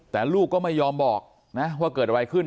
แต่ลูกก็ไม่ยอมบอกนะว่าเกิดอะไรขึ้น